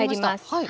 はい。